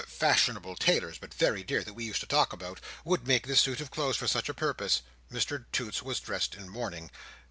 —fashionable tailors (but very dear), that we used to talk about—would make this suit of clothes for such a purpose." Mr Toots was dressed in mourning.